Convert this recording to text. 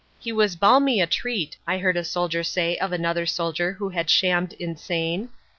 "He was balmy a treat," I heard a soldier say of another soldier who had shammed insane.